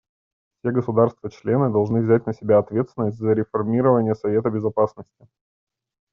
Все государства-члены должны взять на себя ответственность за реформирование Совета Безопасности.